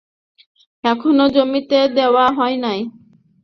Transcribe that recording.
এখনো জমিতে দেওয়া হয় নাই।